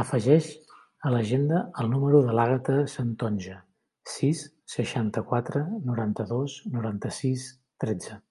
Afegeix a l'agenda el número de l'Àgata Santonja: sis, seixanta-quatre, noranta-dos, noranta-sis, tretze.